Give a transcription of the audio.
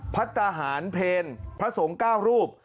พัฒนาหารเพลพระสงฆ์๙รูป